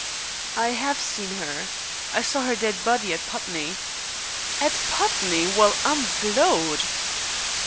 "I have seen her. I saw her dead body at Putney." "At Putney! Well, I'm blowed!"